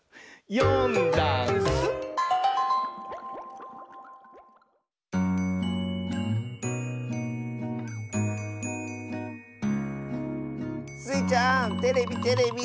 「よんだんす」スイちゃんテレビテレビ！